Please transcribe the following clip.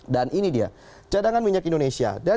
dan ini dia cadangan minyak indonesia